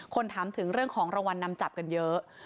ถามถึงเรื่องของรางวัลนำจับกันเยอะ